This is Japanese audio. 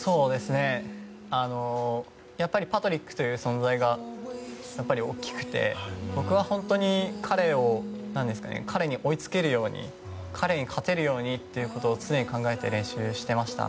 やっぱりパトリックという存在が大きくて僕は本当に彼に追いつけるように彼に勝てるようにということを常に考えて練習してました